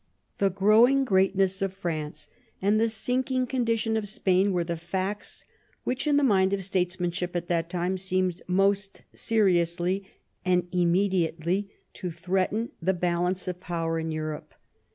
The growing greatness of France and the sinking condition of Spain were the facts which, in the mind of statesmanship at that time, seemed most seriously and inmiediately to threaten the balance of power in Europe.